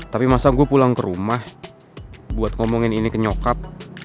tapi masa gue pulang ke rumah buat ngomongin ini ke nyokap